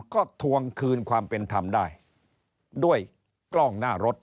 ก็ทวงคืนความเป็นธรรมได้ด้วยกล้องหน้ารถ